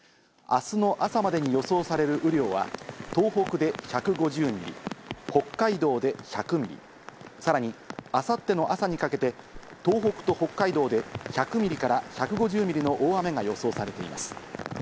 明日の朝までに予想される雨量は東北で１５０ミリ、北海道で１００ミリ、さらに明後日の朝にかけて東北と北海道で１００ミリから１５０ミリの大雨が予想されています。